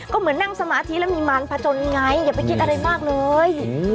ก็เหมือนนั่งสมาธิแล้วมีมารพจนไงอย่าไปคิดอะไรมากเลย